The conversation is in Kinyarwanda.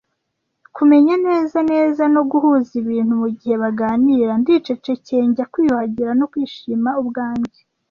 Kumenya neza neza no guhuza ibintu, mugihe baganira ndicecekeye, njya kwiyuhagira no kwishima ubwanjye.